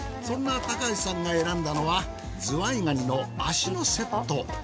そんな高橋さんが選んだのはズワイガニの足のセット。